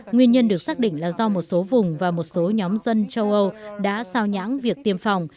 nguyên nhân được xác định là do một số vùng và một số nhóm dân châu âu đã sao nhãng việc tiêm phòng